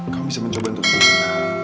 kamu bisa mencoba untuk pulang